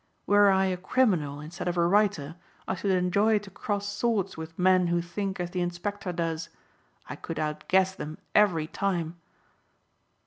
Were I a criminal instead of a writer I should enjoy to cross swords with men who think as the Inspector does. I could outguess them every time."